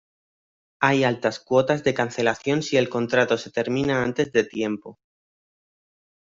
Hay altas cuotas de cancelación si el contrato se termina antes de tiempo.